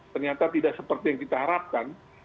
ternyata tidak seperti yang kita harapkan